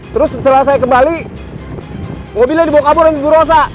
terus setelah saya kembali mobilnya dibawa kabur dari ibu rosa